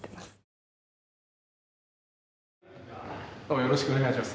よろしくお願いします。